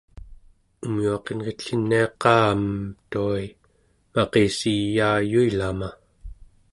umyuaqenritliniaqa-am tua-i maqissiyaayuilama